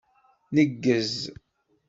Neggez.